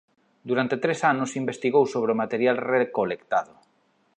Durante tres anos investigou sobre o material recolectado.